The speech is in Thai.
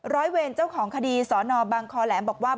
ร้อยเวรเจ้าของคดีสนบังคอแหลมบอกว่า